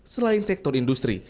selain sektor industri